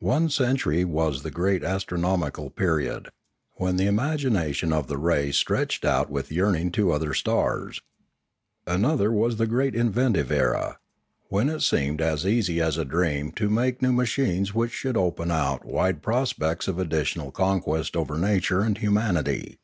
One century was the great as tronomical period, when the imagination of the race stretched out with yearning to other stars. Another was the great inventive era, when it seemed as easy as 554 Ethics 555 a dream to make new machines which should open out wide prospects of additional conquest over nature and humanity.